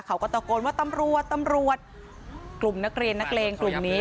เขาก็ตะโกนว่าตำรวจตำรวจกลุ่มนักเรียนนักเลงกลุ่มนี้